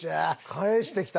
返してきたね。